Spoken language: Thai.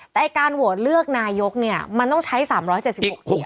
แต่การโหวตเลือกนายกเนี่ยมันต้องใช้๓๗๖เสียง